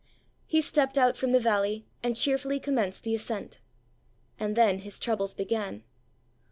He stepped out from the valley and cheerfully commenced the ascent. And then his troubles began.